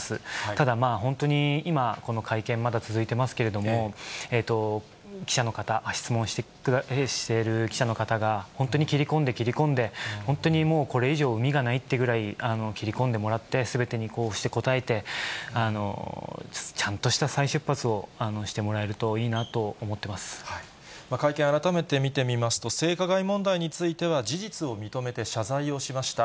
ただ、本当に今、この会見まだ続いてますけれども、記者の方、質問している記者の方が本当に切り込んで、切り込んで、本当にもうこれ以上うみがないっていうぐらい、切り込んでもらって、すべてにこうして答えて、ちゃんとした再出発をしてもらえ会見、改めて見てみますと、性加害問題については事実を認めて謝罪をしました。